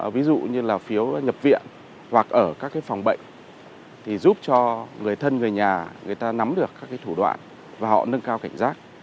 ví dụ như là phiếu nhập viện hoặc ở các phòng bệnh thì giúp cho người thân người nhà người ta nắm được các thủ đoạn và họ nâng cao cảnh giác